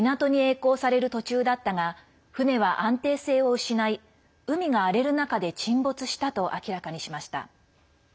そして港にえい航される途中だったが船は安定性を失い海が荒れる中で沈没したと明らかにしました。